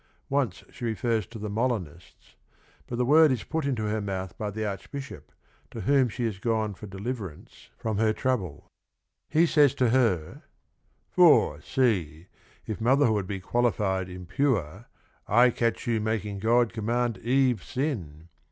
Once she refers to the Molinists, but the word is put into her mouth by the Archbishop to whom she had gone for deliverance from her trouble. He says to her: '"For see — If motherhood be qualified impure, I catch you making God command Eve sin